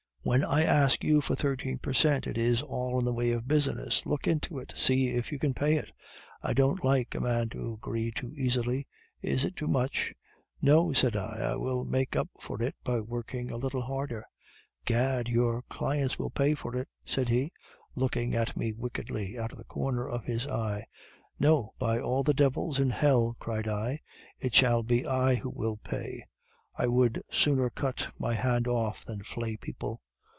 'When I ask you for thirteen per cent, it is all in the way of business; look into it, see if you can pay it; I don't like a man to agree too easily. Is it too much?' "'No,' said I, 'I will make up for it by working a little harder.' "'Gad! your clients will pay for it!' said he, looking at me wickedly out of the corner of his eyes. "'No, by all the devils in hell!' cried I, 'it shall be I who will pay. I would sooner cut my hand off than flay people.